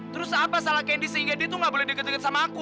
terus apa salah candi sehingga dia tuh gak boleh deket deket sama aku